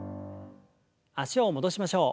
脚を戻しましょう。